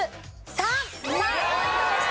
３ポイントでした。